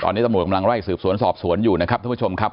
ตอนนี้ตำรวจกำลังไล่สืบสวนสอบสวนอยู่นะครับท่านผู้ชมครับ